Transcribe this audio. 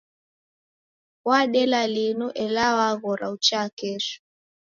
Wadela linu ela waghora uchaa kesho.